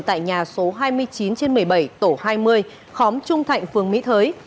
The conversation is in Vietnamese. tại nhà số hai mươi chín trên một mươi bảy tổ hai mươi khóm trung thạnh phường mỹ thới